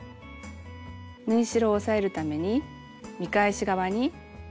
縫い代を押さえるために見返し側にステッチをかけます。